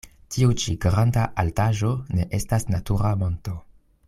Tiu ĉi granda altaĵo ne estas natura monto.